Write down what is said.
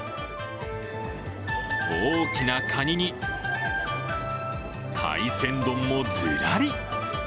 大きなカニに、海鮮丼もずらり。